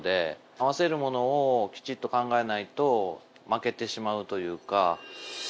合わせるものをきちっと考えないと負けてしまうというか。